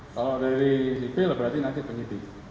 kalau dari sipil berarti nanti penyidik